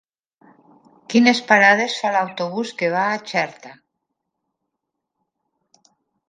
Quines parades fa l'autobús que va a Xerta?